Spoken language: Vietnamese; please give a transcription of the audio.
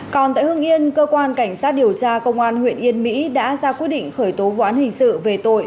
còn tại hương yên cơ quan cảnh sát điều tra công an huyện yên mỹ đã ra quyết định khởi tố vụ án hình sự về tội